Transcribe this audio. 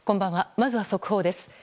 まずは速報です。